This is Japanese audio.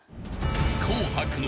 ［『紅白』の］